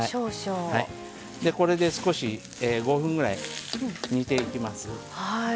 これで少し５分ぐらい煮ていきます。